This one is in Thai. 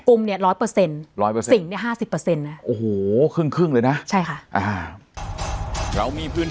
กุมเนี่ย๑๐๐สิงศ์เนี่ย๕๐